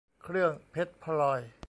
เครื่องเพชรพลอย